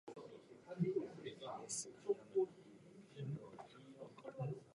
宮城県利府町